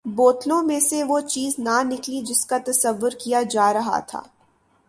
بوتلوں میں سے وہ چیز نہ نکلی جس کا تصور کیا جا رہا تھا۔